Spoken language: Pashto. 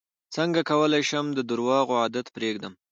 څنګه کولی شم د درواغو عادت پرېږدم